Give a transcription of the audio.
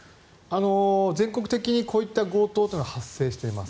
全国的にこういった強盗は発生しています。